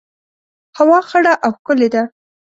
هوا خړه او ښکلي ده